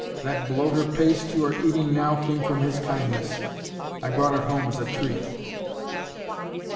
That bloater paste you are eating now came from his kindness. I brought it home as a treat."